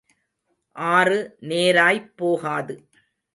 ஆறு நேராய்ப் போகாது.